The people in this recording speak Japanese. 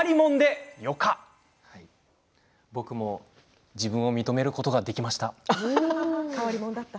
僕も自分を認めることができました。